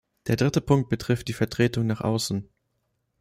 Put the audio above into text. Der dritte Punkt betrifft die Vertretung nach außen.